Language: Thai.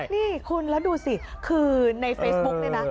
นี่คุณแล้วดูสิคือในเฟซบุ๊กเนี่ยนะ